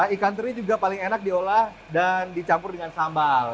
ikan teri juga paling enak diolah dan dicampur dengan sambal